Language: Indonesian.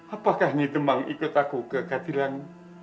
apakah nidemang ikut aku ke katilang